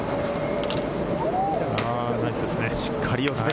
ナイスですね。